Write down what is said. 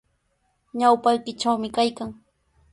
Ñawpaykitrawmi kaykan.